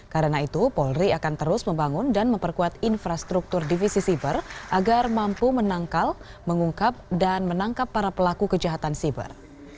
karena itu polri akan terus membangun dan memperkuat infrastruktur divisi cyber agar mampu menangkal mengungkap dan menangkap para pelaku kejahatan cyber